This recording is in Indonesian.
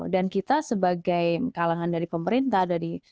dan kita sebagai kalangan dari pemerintah dari